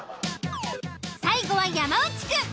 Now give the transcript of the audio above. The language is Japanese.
最後は山内くん。